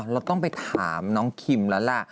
เราต้องไปถามน้องคิมแล้วล่ะ